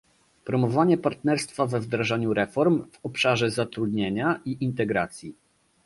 promowanie partnerstwa we wdrażaniu reform w obszarze zatrudnienia i integracji